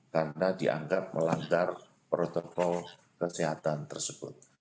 karena dianggap melanggar protokol kesehatan tersebut